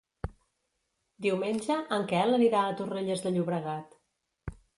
Diumenge en Quel anirà a Torrelles de Llobregat.